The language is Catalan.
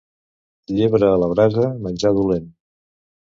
Llebre a la brasa, menjar dolent.